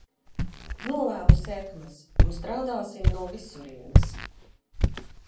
Novēlu sekmes, un strādāsim no visurienes!